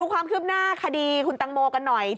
ความคืบหน้าคดีคุณตังโมกันหน่อย